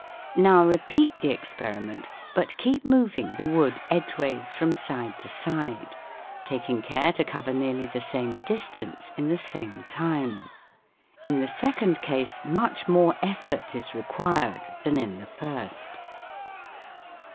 Now repeat the experiment, but keep moving the wood edgeways from side to side, taking care to cover nearly the same distance in the same SOUNDS OF THE COUNTRY 123 time. In the second case much more effort is required than in the first.